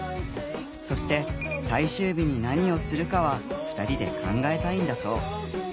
そして最終日に何をするかは２人で考えたいんだそう。